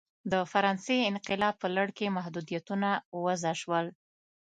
د فرانسې انقلاب په لړ کې محدودیتونه وضع شول.